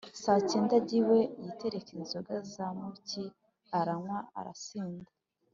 Sacyega ajya iwe, yitereka inzoga z'amuki, aranywa arasinda.